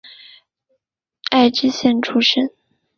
爱知县出身。